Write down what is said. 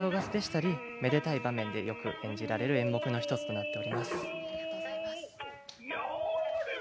こういった演目はお正月でしたりめでたい場面でよく演じられる演目の１つとなっております。